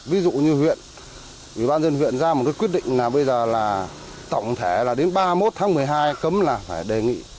ví dụ như huyện ủy ban dân huyện ra một cái quyết định là bây giờ là tổng thể là đến ba mươi một tháng một mươi hai cấm là phải đề nghị